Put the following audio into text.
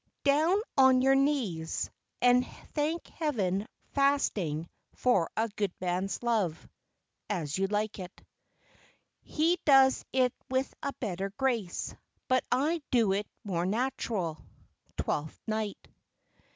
"Down on your knees, And thank Heaven, fasting, for a good man's love." As You Like It. "He does it with a better grace, but I do it more natural." _Twelfth Night.